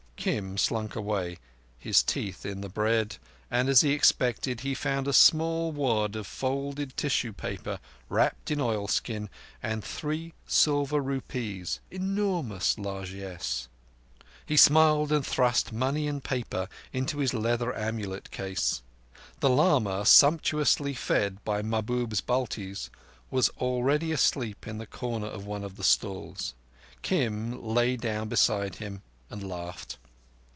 Kim slunk away, his teeth in the bread, and, as he expected, he found a small wad of folded tissue paper wrapped in oilskin, with three silver rupees—enormous largesse. He smiled and thrust money and paper into his leather amulet case. The lama, sumptuously fed by Mahbub's Baltis, was already asleep in a corner of one of the stalls. Kim lay down beside him and laughed.